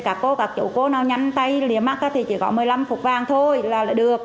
các cô các chủ cô nào nhanh tay liếm mắt thì chỉ có một mươi năm phục vàng thôi là được